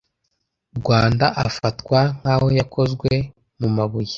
rwanda afatwa nk aho yakozwe mumabuye